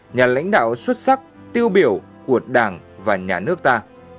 nhà lãnh đạo xuất sắc tiêu biểu của đảng và nhà nước ta